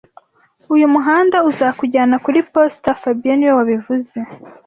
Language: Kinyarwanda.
Uyu muhanda uzakujyana kuri posita fabien niwe wabivuze